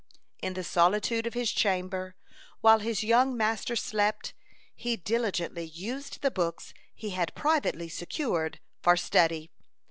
In the solitude of his chamber, while his young master slept, he diligently used the books he had privately secured for study.